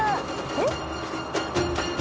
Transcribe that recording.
えっ？